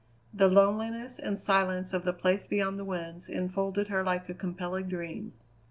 The loneliness and silence of the Place Beyond the Winds enfolded her like a compelling dream.